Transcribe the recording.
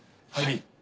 はい。